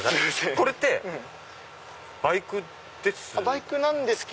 これってバイクですよね？